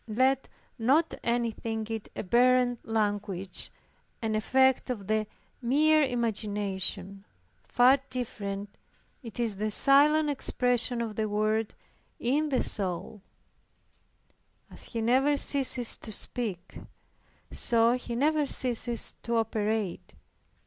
Let not any think it a barren language, and effect of the mere imagination. Far different it is the silent expression of the Word in the soul. As He never ceases to speak, so He never ceases to operate.